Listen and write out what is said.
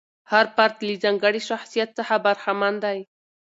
هر فرد له ځانګړي شخصیت څخه برخمن دی.